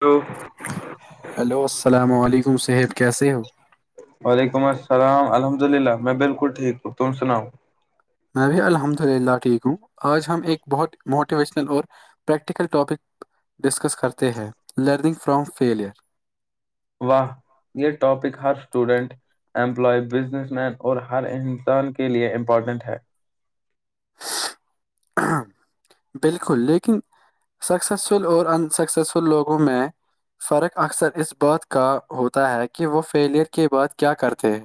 تو ہلو السلام علیکم صہیب کیسے ہو وعلیکم السلام الحمد اللہ میں بالکل ٹھیک ہوں تم سناؤ میں بھی الحمد اللہ ٹھیک ہوں آج ہم ایک بہت موٹیویشنل اور پریکٹیکل ٹاپک ڈسکس کرتے ہیں لرننگ فرام فیلئر واہ یہ ٹاپک ہر اسٹوڈنٹ امپلائی بزنس مین اور ہر انسان کے لیے امپورٹینٹ ہے بالکل لیکن سکسیزفل اور ان سکسیزفل لوگوں میں فرق اکثر اس بات کا ہوتا ہے کہ وہ فیلیئر کے بعد کیا کرتے ہیں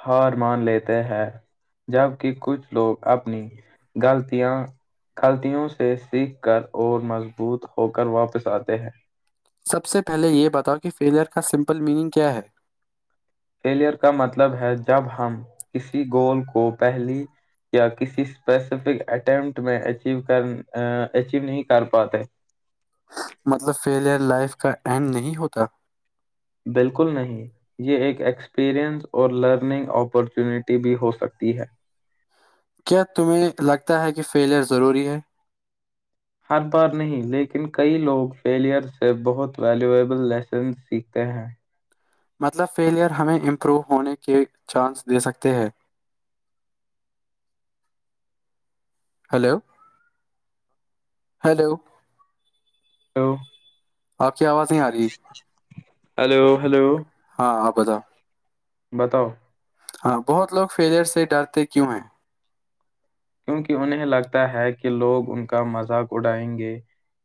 ہار مان لیتے ہیں جبک کچھ لوگ اپنی گغلطیاں غلطیوں سے سیکھ کر اور مضبوط ہو کر واپس آتے ہیں سب سے پہلے یہ بتاؤ کہ فیلئر کا سمپل میننگ کیا ہے فیلئر کا مطلب ہے جب ہم کسی گول کو پہلی یا کسی اسپیسیفک اٹیمپٹ میں اچیو کر اچیو نہیں کر پاتے مطلب فیلئر لائف کا اینڈ نہیں ہوتا بالکل نہیں یہ ایک ایکسپیرنس اور لرننگ اپارچونیٹی بھی ہو سکتی ہے کیا تمہیں لگتا ہے کہ فیلئر ضروری ہے ہر بار نہیں لیکن کئی لوگ فیلئر سے بہت ویلیوبل لیسن سیکھتے ہیں مطلب فیلیئر ہمیں امپروو ہونے کے چانس دے سکتے ہیں ہیلو ہیلو ہلو آک آواز نہیں آ رہی ہلو ہلو ہاں آبودا بتاؤ ہاں بہت لوگ فیلیئر سے ڈرتے کیوں ہیں کیونکہ انہیں لگتا ہے کہ لوگ ان کا مذاق اڑائیں گے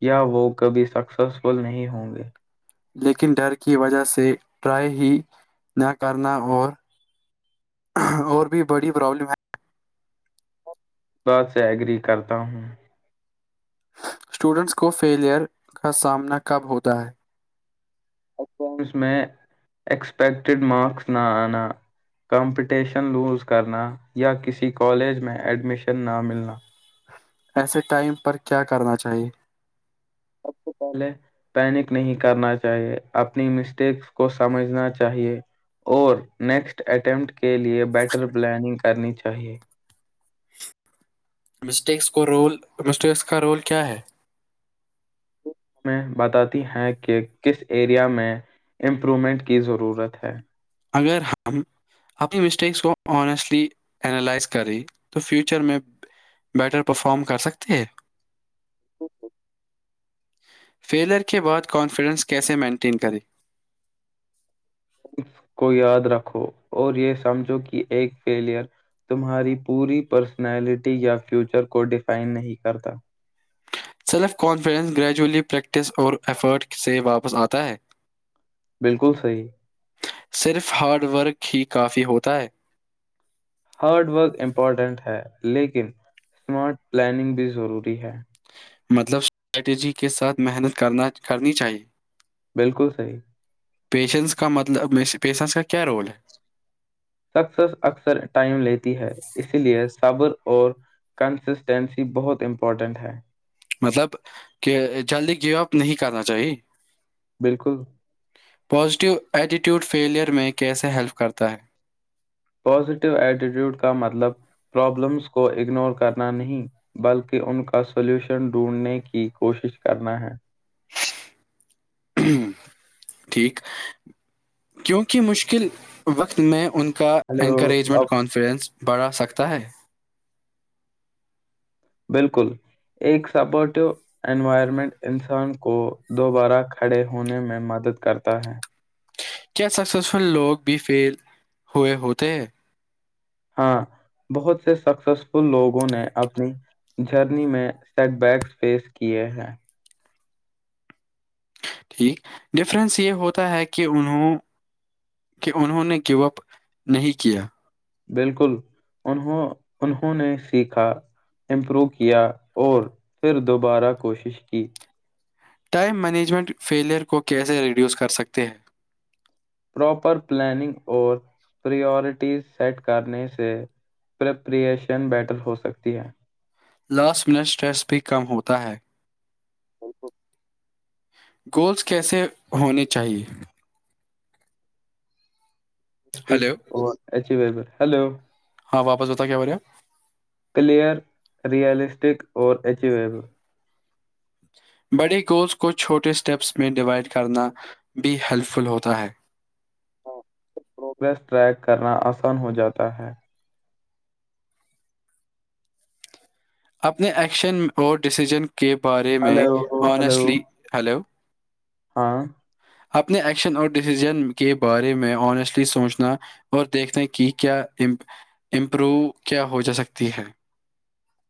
یا وہ کبھی سکسیسفل نہیں ہوں گے لیکن ڈر کی وجہ سے ٹرائی ہی نہ کرنا اور اور بھی بڑی پرابلم ہے بات سے ایگری کرتا ہوں اسٹوڈنٹس کو فیلیئر کا سامنا کب ہوتا ہے اکاؤنٹس میں ایکسپیکٹیڈ مارکس نہ آنا کمپٹیشن لوز کرنا یا کسی کالج میں ایڈمیشن نہ ملنا ایسے ٹائم پر کیا کرنا چاہیے سب سے پہلے پینک نہیں کرنا چاہیے اپنی مسٹیکس کو سمجھنا چاہیے اور نیکسٹ اٹیمپٹ کے لیے بیٹر پلاننگ کرنی چاہیے مسٹیکس کو رول مسٹیکس کا رول کیا ہے ہم میں بتاتی ہیں کہ کس ایریا میں امپرومنٹ کی ضرورت ہے اگر ہم اپنی مسٹیکس کو آنیسٹلی اینالائز کرے تو فیوچر میں بیٹر پرفارم کر سکتے ہیں فیلر کے بعد کانفیڈنس کیسے مینٹین کرے اس کو یاد رکھو اور یہ سمجھو کہ ایک فیلئر تمہاری پوری پرسنالٹی یا فیوچر کو ڈیفائن نہیں کرتا سیلف کانفیڈنس گریجولی پریکٹس اور ایفرٹ سے واپس آتا ہے بالکل صحیح صرف ہارڈ ورک ہی کافی ہوتا ہے ہارڈ ورک امپورٹنٹ ہے لیکن اسمارٹ پلاننگ بھی ضروری ہے مطلب اسٹریٹجی کے ساتھ محنت کرنا کرنی چاہیے بالکل صحیح پیشنس کا مطلب پیشنس کا کیا رول ہے سر اکثر ٹائم لیتی ہے اسی لیے صابر اور کنسسٹینسی بہت امپورٹنٹ ہے مطلب کہ جلدی گیو اپ نہیں کرنا چاہی بالکل پوازیٹیو ایٹیٹیوڈ فیلیئر میں کیسے ہیلپ کرتا ہے پازیٹیو ایٹیٹیوڈ کا مطلب پرابلمس کو اگنور کرنا نہیں بلکہ ان کا سولوشن ڈھونڈنے کی کوشش کرنا ہے ٹھیک کیونکہ مشکل وقت میں ان کا ہلو انکریجمنٹ اب کانفیڈنس بڑھا سکتا ہے بالکل ایک سبٹ انوائرمنٹ انسان کو دوبارہ کھڑے ہونے میں مدد کرتا ہے کیا سکسیسفل لوگ بھی فیل ہوئے ہوتے ہیں ہاں بہت سے سکسیسفل لوگوں نے اپنی جرنی میں سیٹ بیکس فیس کیے ہیں ٹھیک ڈفرینس یہ ہوتا ہے کہ انہوں کہ انہوں نے گو اپ نہیں کیا بالکل انوں انہوں نے سیکھا امپروو کیا اور پھر دوبارہ کوشش کی ٹائم مینجمنٹ فیلیئر کو کیسے ریڈیوس کر سکتے ہیں پراپر پلاننگ اور پورٹیز سیٹ کرنے سے پرپریشن بیٹل ہو سکتی ہے لاس وسٹریس بھی کم ہوتا ہے ب س گولز کیسے ہونے چاہیے ہیلو ہیلو ہاں واپس ہوتا کیا ب رہ ہے کلیئر ریئلسٹک اور ایچو ایب بڑے گولس کو چھوٹے اسٹیپس میں ڈیوائڈ کرنا بھی ہیلپ فل ہوتا ہے پروگریس ٹریک کرنا آسان ہو جاتا ہے اپنے ایکشن اور ڈسیژن کے بارے میں ہلو ہلو آنیسٹلی ہیلو ہاں اپنے ایکشن اور ڈسیزن کے بارے میں آنیسٹلی سوچنا اور دیکھتے ہیں کہ کیا امپروو کیا ہو جا سکتی ہے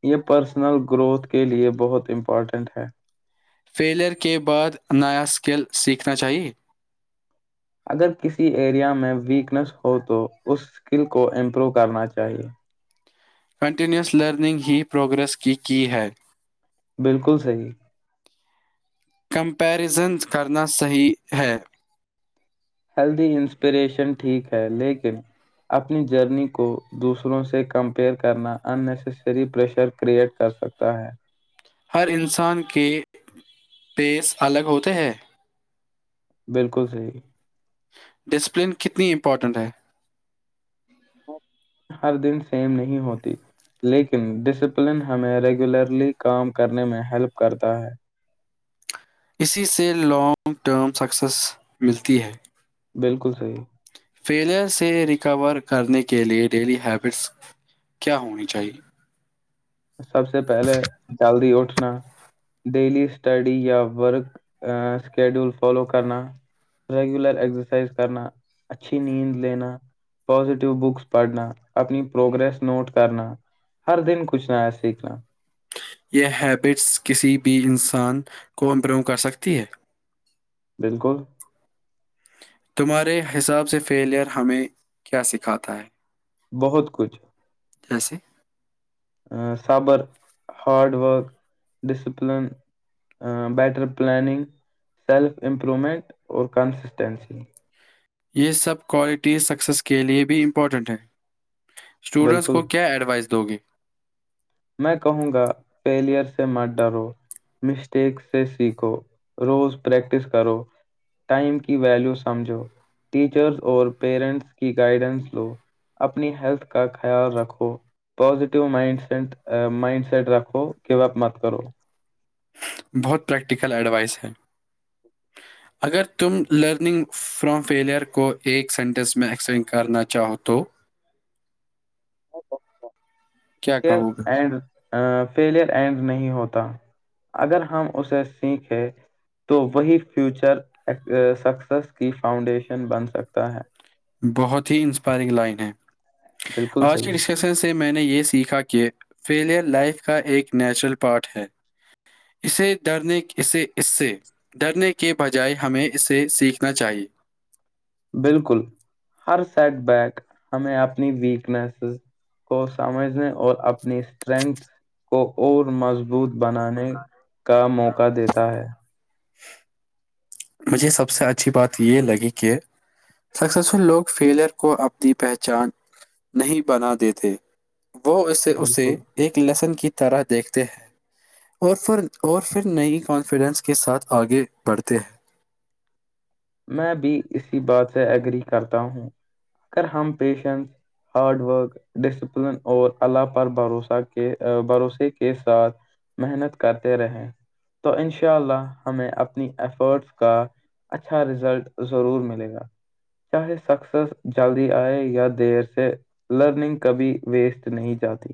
یہ پرسنل گروتھ کے لیے بہت امپارٹنٹ ہے فیلئر کے بعد نیا اسکل سیکھنا چاہیے اگر کسی ایریا میں ویکنیس ہو تو اس اسکل کو امپروو کرنا چاہیے کنٹینیوس لرننگ ہی پروگرریس کی کی ہے بالکل صحیح کمپیرزن کرنا صحیح ہے ہلدی انسپریشن ٹھیک ہے لیکن اپنی جرنی کو دوسروں سے کمپیئر کرنا اننیسیسری پریشر کریئٹ کر سکتا ہے ہر انسان کے پیس الگ ہوتے ہیں بالکل صحیح ڈسپلن کتنی امپورٹنٹ ہے ہر دن سیم نہیں ہوتی لیکن ڈسپلن ہمیں ریگولرلی کام کرنے میں ہیلپ کرتا ہے اسی سے لانگ ٹرم سکسیس ملتی ہے بالکل صحیح فیلیئر سے ریکور کرنے کے لیے ڈیلی ہیبٹس کیا ہونی چاہیے سب سے پہلے جلدی اٹھنا ڈیلی اسٹڈی یا ورک شکیڈیول فالو کرنا ریگولر ایکسرسائز کرنا اچھی نیند لینا پزیٹو بکس پڑھنا اپنی پروگرریس نوٹ کرنا ہر دن کچھنا سیکھنا یہ ہیبٹس کسی بھی انسان کو امپروو کر سکتی ہے بالکل تمہارے حساب سے فیلیئر ہمیں کیا سکھاتا ہے بہت کچھ جیسے صبر hard work discipline better planning self improvement اور کنسسٹینسی یہ سب کوالٹیز سکسیز کے لیے بھی امپورٹنٹ ہیں اسٹوڈنٹس بالکل کو کیا ایڈوائس دو گی میں کہوں گا فیلئر سے مت ڈرو مسٹیک سے سیکھو روز پریکٹس کرو ٹائم کی ویلو سمجھو ٹیچرس اور پیرنٹس کی گائڈنس لو اپنی ہیلتھ کا خیال رکھو positive mindset mindset رکھو کہ وپ مت کرو بہت پریکٹیکل ایڈوائس ہے اگر تم لرننگ فرام فیلیئر کو ایک سینٹینس میں ایکسپلین کرنا چاہو تو کیا کہو فیلر اینڈ نہیں ہوتا اگر ہم اسے سیکھے تو وہی فیوچر سکسیس کی فاؤنڈیشن بن سکتا ہے بہت ہی انسپائرنگ لائن ہے بالکل آج صحیح کی ڈسکشن سے میں نے یہ سیکھا کہ فیلئر لائف کا ایک نیچرل پارٹ ہے اسے ڈرنے اسے اس سے ڈرنے کے بجائے ہمیں اسے سیکھنا چاہیے بالکل ہر سیٹ بیک ہمیں اپنی ویکنیسز کو سمجھنے اور اپنی اسٹرینتھ کو اور مضبوط مبت بنانے کا موقع دیتا ہے مجھے سب سے اچھی بات یہ لگی کہ سکسیزفل لوگ فیلئر کو اپنی پہچان نہیں بنا دیتے وہ اسے بالکل اسے ایک لیسن کی طرح دیکھتے ہیں اور فر اور پھر نئی کانفیڈنس کے ساتھ آگے بڑھتے ہیں میں بھی اسی بات سے ایگری کرتا ہوں اگر ہم پیشنس ہارڈ ورک ڈسپلن اور اللہ پر بھروسہ کے بھروسے کے ساتھ محنت کرتے رہیں تو ان شاء اللہ ہمیں اپنی ایفرٹس کا اچھا رزلٹ ضرور ملے گا چاہے سکسیس جلدی آئے یا دیر سے لرننگ کبھی ویسٹ نہیں جاتی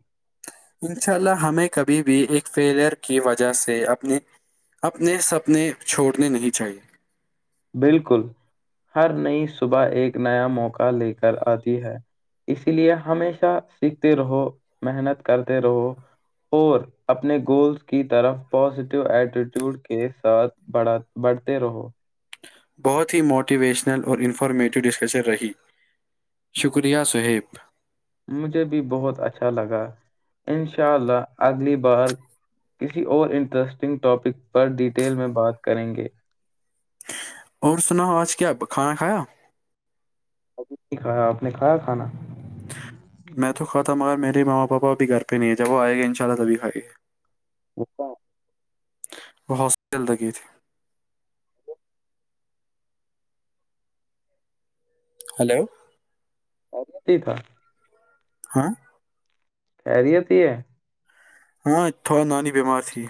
انشاء اللہ ہمیں کبھی بھی ایک فیلئر کی وجہ سے اپنی اپنے سپنے چھوڑنے نہیں چاہیے بالکل ہر نئی صبح ایک نیا موقع لے کر آتی ہے اسی لیے ہمیشہ سیکھتے رہو محنت کرتے رہو اور اپنے گولز کی طرف پازیٹیو ایٹیٹیوڈ کے ساتھ بڑ بڑھتے رہو بہت ہی موٹیویشنل اور انفارمیٹو ڈسکشن رہی شکریہ صہیب مجھے بھی بہت اچھا لگا ان شاء اللہ اگلی بار کسی اور انٹرسٹنگ ٹاپک پر ڈیٹیل میں بات کریں گے اور سناو آج کیا کھانا کھایا کیا آپ نے کھایا کھانا میں تو کھاتا مگر میرے ماما پاپا ابھی گھر پہ نہیں ہے جب وہ آئے گا انشاءلہ تبھی کھائے گے [unintelligible] اکا وہ ہاسپٹل گی تھی ہیلو [unintelligible] ہاں خیریت ہی ہے ہاں تھوڑا نانی بیمار تھی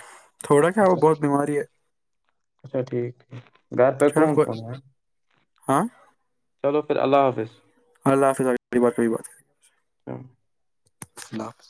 تھوڑا کیا وہ اچھا بہت بیماری ہے اچھا ٹھیک ٹھیک گھر پہ چلو کون کوئی کون ہے ہاں چلو پھر اللہ حافظ اللہ حافظ اتی بات ہی ہ [unintelligible] اللہ حافظ